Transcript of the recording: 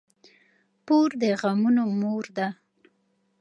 پور د غمونو مور ده.